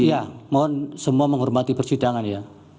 iya mohon semua menghormati persidangan ya